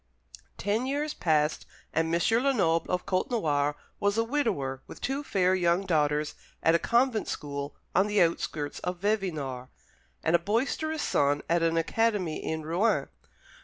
Ten years passed, and M. Lenoble of Côtenoir was a widower with two fair young daughters at a convent school on the outskirts of Vevinord, and a boisterous son at an academy in Rouen.